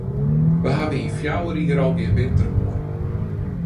Wy hawwe yn fjouwer jier al gjin winter hân.